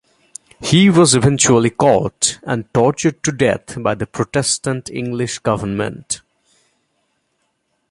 He was eventually caught and tortured to death by the Protestant English government.